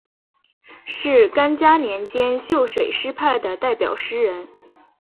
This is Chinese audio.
是干嘉年间秀水诗派的代表诗人。